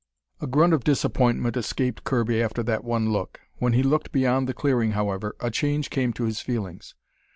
A grunt of disappointment escaped Kirby after that one look. When he looked beyond the clearing, however, a change came to his feelings.